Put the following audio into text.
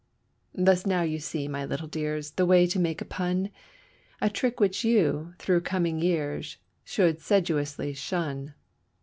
Thus now you see, my little dears, the way to make a pun; A trick which you, through coming years, should sedulously shun.